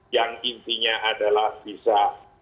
yang intinya adalah bisa